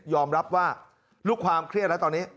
รับว่าลูกความเครียดแล้วตอนนี้